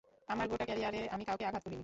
আমার গোটা ক্যারিয়ারে, আমি কাউকে আঘাত করিনি।